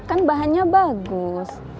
kan bahannya bagus